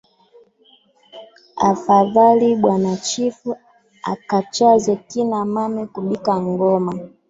Afadhali bwana chifu akachaze kina mame kubika ngoma